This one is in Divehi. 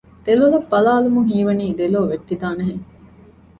ދެލޮލަށް ބަލާލުމުން ހީވަނީ ދެލޯ ވެއްޓިދާނެ ހެން